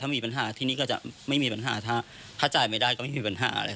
มีปัญหาที่นี่ก็จะไม่มีปัญหาถ้าจ่ายไม่ได้ก็ไม่มีปัญหาอะไร